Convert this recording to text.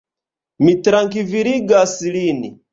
Mi trankviligas lin.